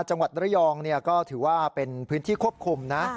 จังหวัดระยองก็ถือว่าเป็นพื้นที่ควบคุมนะ